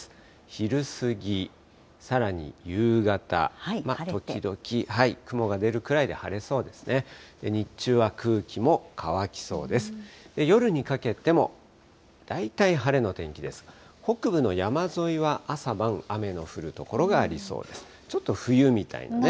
昼過ぎ、さらに夕方、時々雲が出るくらいで晴れそうですね。